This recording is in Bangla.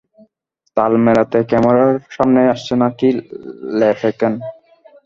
তাল মেলাতে ক্যামেরার সামনে আসছে লাকি ল্যাপ্রেকন।